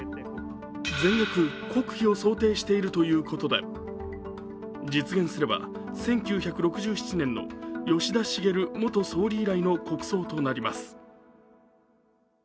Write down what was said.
全額国費を想定しているということで実現すれば１９６７年の吉田茂元総理以来の国葬となります。